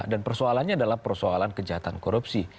dan persoalannya adalah persoalan kejahatan korupsi